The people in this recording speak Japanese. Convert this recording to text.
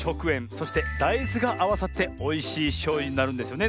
そしてだいずがあわさっておいしいしょうゆになるんですよね